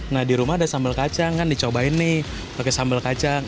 nah di rumah ada sambal kacang kan dicobain nih pakai sambal kacang